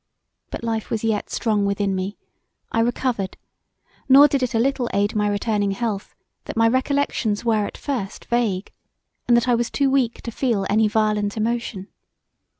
But life was yet strong within me; I recovered: nor did it a little aid my returning health that my recollections were at first vague, and that I was too weak to feel any violent emotion.